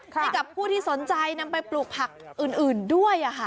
ให้กับผู้ที่สนใจนำไปปลูกผักอื่นด้วย